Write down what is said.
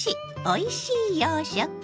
おいしい洋食」。